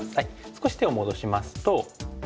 少し手を戻しますと。